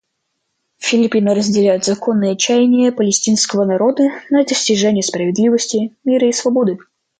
Филиппины разделяют законные чаяния палестинского народа на достижение справедливости, мира и свободы.